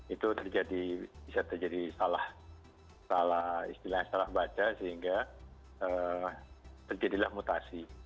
itu bisa terjadi salah istilahnya salah baca sehingga terjadilah mutasi